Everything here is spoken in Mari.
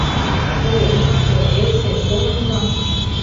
Теве икте, весе, кумшо...